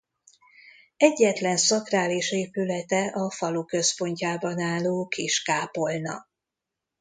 Egyetlen szakrális épülete a falu központjában álló kis kápolna.